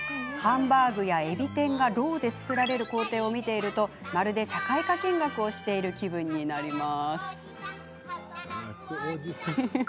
ハンバーグや、えび天がろうで作られる工程を見ているとまるで社会科見学をしている気分になります。